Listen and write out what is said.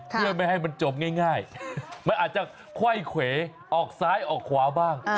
เพื่อไม่ให้มันจบง่ายมันอาจจะไขว้เขวออกซ้ายออกขวาบ้าง